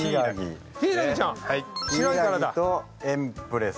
柊とエンプレス。